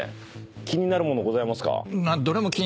気になるものございますか？